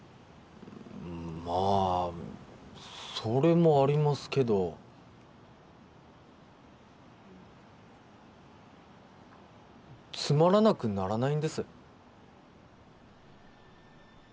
まあそれもありますけどつまらなくならないんです